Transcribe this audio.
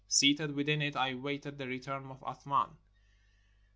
Seated within it I awaited the return of Athman.